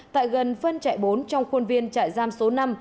tại gần phân trại bốn trong khuôn viên trại giam số năm